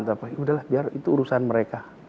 yaudah lah biar itu urusan mereka